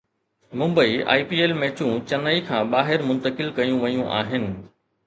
Mumbai I P L ميچون چنائي کان ٻاهر منتقل ڪيون ويون آهن